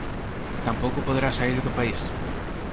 Tampouco poderá saír do país.